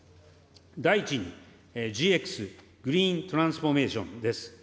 第１に、ＧＸ・グリーントランスフォーメーションです。